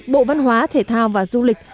bộ văn hóa thể thao và du lịch